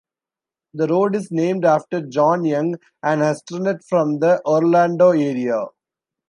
The road is named after John Young, an astronaut from the Orlando area.